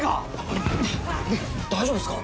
大丈夫ですか？